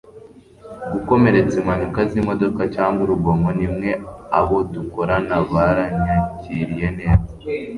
Gukomeretsa impanuka zimodoka cyangwa urugomo nimwe Abo dukorana baranyakiriye neza